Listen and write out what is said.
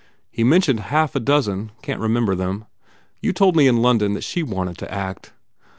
He mentioned half a dozen can t remember them. You told me in London that she wanted to act?"